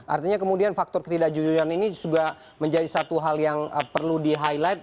artinya kemudian faktor ketidakjujuran ini juga menjadi satu hal yang perlu di highlight